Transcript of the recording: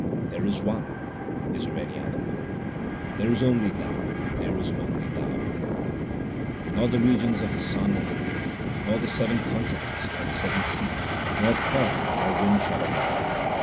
There is One : is there any other ? There is only Thou, there is only Thou, O God ! Not the regions of the sun and the moon, Nor the seven continents,, nor the seven seas, Nor corn, nor wind shall abide.